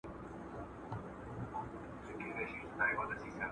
د سياست پوهني آرونه په کتابونو کي ليکل سوي دي.